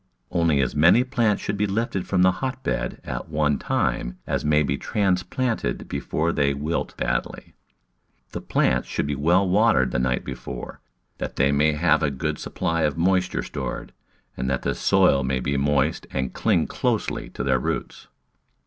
Only as many plants should be lifted from the hot bed at one time as may be transplanted before they wilt badly. The plants should be well watered the night before, that they may have a good supply of moisture stored, and that the soil may be moist and cling closely to their roots.